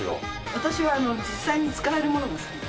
私は実際に使えるものが好きで。